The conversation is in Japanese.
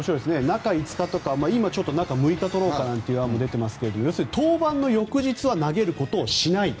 中５日とか今、ちょっと中６日取ろうかという案も出ていますが登板の翌日は投げることをしない。